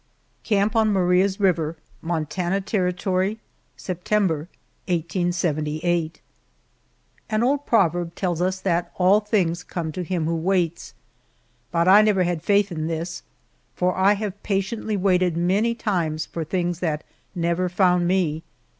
CAMP ON MARIAS RIVER, MONTANA TERRITORY, September, 1878. AN old proverb tells us that "All things come to him who waits," but I never had faith in this, for I have patiently waited many times for things that never found me.